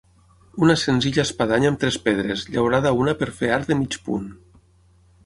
Una senzilla espadanya amb tres pedres, llaurada una per fer arc de mig punt.